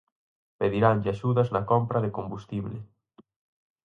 Pediranlle axudas na compra de combustible.